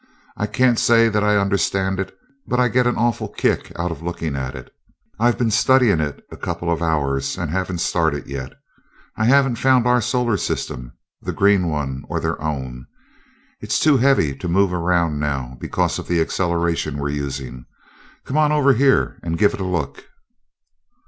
I can't say that I understand it, but I get an awful kick out of looking at it. I've been studying it a couple of hours, and haven't started yet. I haven't found our solar system, the green one, or their own. It's too heavy to move around now, because of the acceleration we're using come on over here and give it a look."